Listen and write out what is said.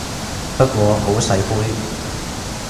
不過好細杯